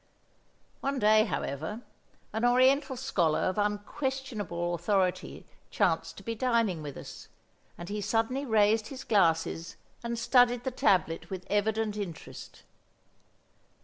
One day, however, an Oriental scholar of unquestionable authority chanced to be dining with us, and he suddenly raised his glasses and studied the tablet with evident interest.